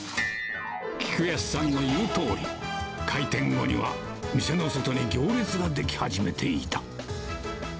菊安さんの言うとおり、開店後には店の外に行列が出来始めていた。